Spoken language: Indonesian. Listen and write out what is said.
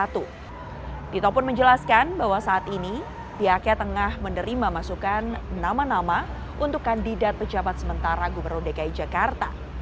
tito pun menjelaskan bahwa saat ini pihaknya tengah menerima masukan nama nama untuk kandidat pejabat sementara gubernur dki jakarta